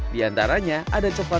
di antaranya ada jajanan yang berbeda